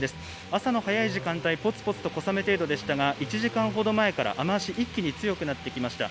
朝の早い時間帯、ぽつぽつと小雨程度でしたが、１時間ほど前から雨足、一気に強くなってきました。